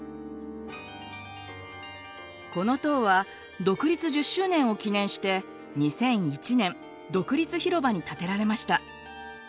この塔は独立１０周年を記念して２００１年独立広場に建てられました。